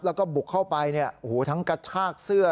แล้วก็บุกเข้าไปทั้งกระชากเสื้อ